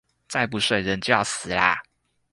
再不睡人就要死了